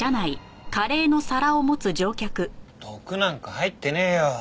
毒なんか入ってねえよ。